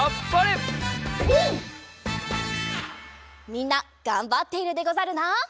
みんながんばっているでござるな。